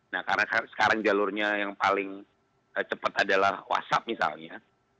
nah karena sekarang jalurnya yang paling cepat adalah whatsapp misalnya